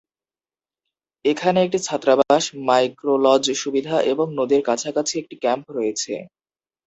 এখানে একটি ছাত্রাবাস, মাইক্রোলজ সুবিধা এবং নদীর কাছাকাছি একটি ক্যাম্প রয়েছে।